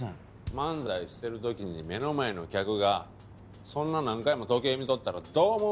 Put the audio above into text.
漫才してる時に目の前の客がそんな何回も時計見とったらどう思うねん？